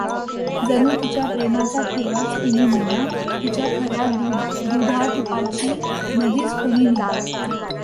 जणू तिच्या प्रेमाचा ठेवाच कोणी नेला; तिच्या खऱ्या दुधातुपाची नदीच कोणी नेली.